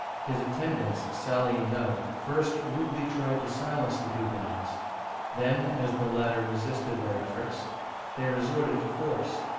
His attendants, sallying out, first rudely tried to silence the Huguenots ; then, as the latter resisted their efforts, they resorted to force.